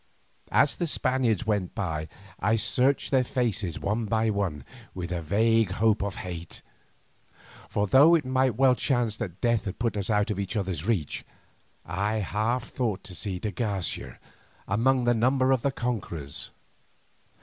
As the Spaniards went by I searched their faces one by one, with the vague hope of hate. For though it might well chance that death had put us out of each other's reach, I half thought to see de Garcia among the number of the conquerors.